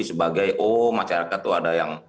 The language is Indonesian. sebagai oh masyarakat tuh ada yang